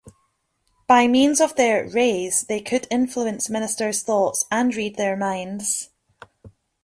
By means of their "rays" they could influence ministers' thoughts and read their minds.